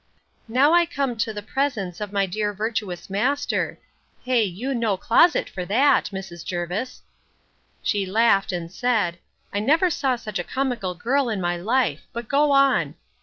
Now I come to the presents of my dear virtuous master: Hey, you know closet for that! Mrs. Jervis. She laughed, and said, I never saw such a comical girl in my life! But go on.